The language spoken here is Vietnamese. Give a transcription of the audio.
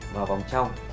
vào vòng trong